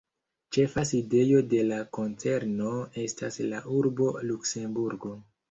Ĉefa sidejo de la konzerno estas la urbo Luksemburgo.